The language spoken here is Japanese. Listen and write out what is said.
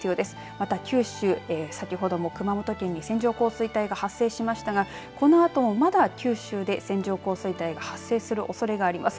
また九州、先ほども熊本県に線状降水帯が発生しましたがこのあともまだ九州で線状降水帯が発生するおそれがあります。